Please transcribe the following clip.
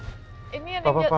ini yang dia